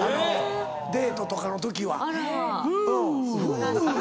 デートとかのときは。